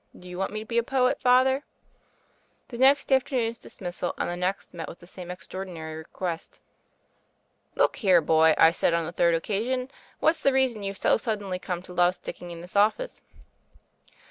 Do you want me to be a poet, Father?" The next afternoon's dismissal, and the next, met with the same extraordinary request. "Look here, boy," I said on the third occa sion, "what's the reason you've so suddenly come to love sticking in this office?"